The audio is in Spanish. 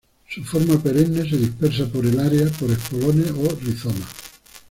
Su forma perenne se dispersa por el área por estolones o rizomas.